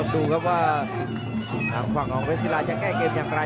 ดูครับว่าทางฝั่งของเพชรศิลาจะแก้เกมอย่างไร